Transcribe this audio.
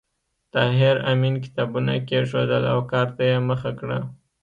طاهر آمین کتابونه کېښودل او کار ته یې مخه کړه